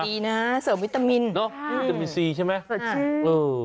ดีนะเสริมวิตามินเนอะวิตามินซีใช่ไหมเออ